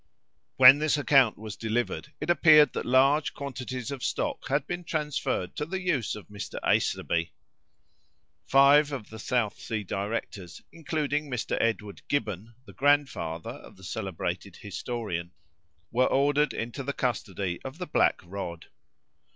When this account was delivered, it appeared that large quantities of stock had been transferred to the use of Mr. Aislabie. Five of the South Sea directors, including Mr. Edward Gibbon, the grandfather of the celebrated historian, were ordered into the custody of the black rod.